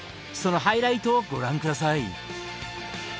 そのハイライトをご覧下さい。